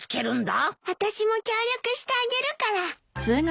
あたしも協力してあげるから。